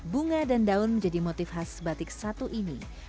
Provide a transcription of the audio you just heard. bunga dan daun menjadi motif khas batik satu ini